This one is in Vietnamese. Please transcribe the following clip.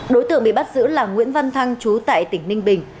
đối tượng bị bắt giữ là nguyễn văn thăng chú tại tỉnh ninh bình